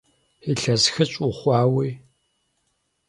Илъэс хыщӏ ухъуауи?!